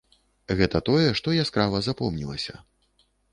Гэта тое, што яскрава запомнілася.